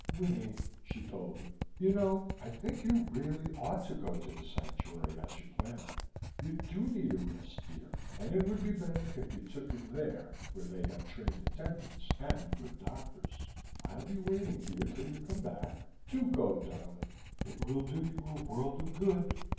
"Winnie," she told him, "you know, I think you really ought to go to the Sanctuary, as you planned. You do need a rest, dear, and it would be better if you took it there where they have trained attendants and good doctors. I'll be waiting here till you come back. Do go, darling. It will do you a world of good.